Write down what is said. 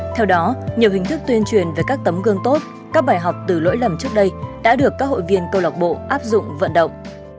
theo đó nhiều hình thức tuyên truyền về các tấm gương tốt các bài học từ lỗi lầm trước đây đã được các hội viên câu lọc bộ áp dụng vận động